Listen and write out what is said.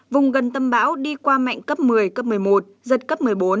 vùng gần tâm bão đi qua mạnh cấp một mươi cấp một mươi một giật cấp một mươi bốn